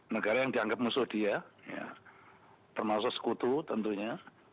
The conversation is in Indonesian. negara yang dianggap musuh dia termasuk sekutu tentunya